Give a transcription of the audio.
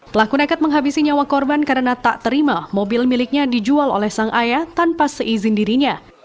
pelaku nekat menghabisi nyawa korban karena tak terima mobil miliknya dijual oleh sang ayah tanpa seizin dirinya